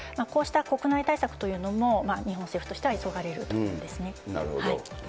こうした国内対策というのも、日本政府としては急がれると思うなるほど。